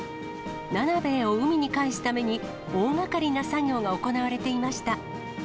ナナベエを海に帰すために、大がかりな作業が行われていました。